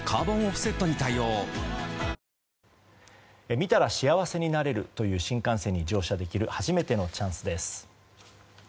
見たら幸せになれるという新幹線に乗車できる初めてのチャンスです。